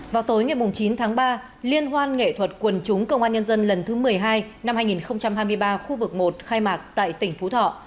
vào tối ngày chín tháng ba liên hoan nghệ thuật quần chúng công an nhân dân lần thứ một mươi hai năm hai nghìn hai mươi ba khu vực một khai mạc tại tỉnh phú thọ